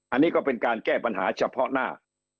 อันนี้ก็เป็นการแก้ปัญหาเฉพาะหน้า